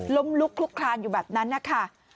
ล้มลุกคลุกคลานอยู่แบบนั้นนะคะ